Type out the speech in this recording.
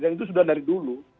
dan itu sudah dari dulu